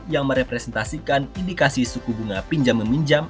yang merepresentasikan indikasi suku bunga pinjam meminjam